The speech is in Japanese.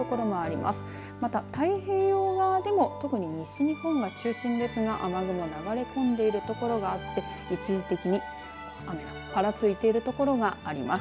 また太平洋側でも特に西日本が中心ですが雨雲流れ込んでいる所があって一時的に雨がぱらついてる所があります。